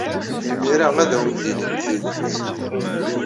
Imir-a ad awen-d-inint tidet.